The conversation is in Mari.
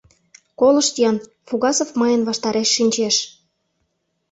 — Колышт-ян, — Фугасов мыйын ваштареш шинчеш.